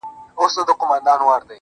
خدايه ښه نـری بـاران پرې وكړې نن~